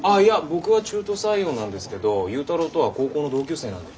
僕は中途採用なんですけど勇太郎とは高校の同級生なんで。